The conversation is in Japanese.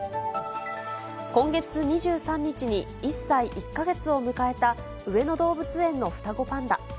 今月２３日に、１歳１か月を迎えた上野動物園の双子パンダ。